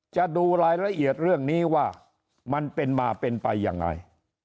จะดูรายละเอียดเรื่องนี้ว่ามันเป็นมาเป็นไปยังไง